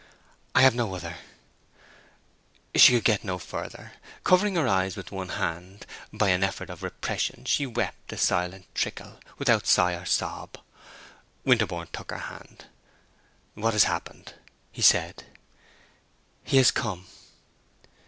I have no other—" She could get no further. Covering her eyes with one hand, by an effort of repression she wept a silent trickle, without a sigh or sob. Winterborne took her other hand. "What has happened?" he said. "He has come."